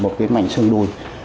một cái mảnh sương đôi